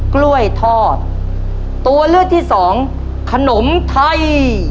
กล้วยทอดตัวเลือกที่สองขนมไทย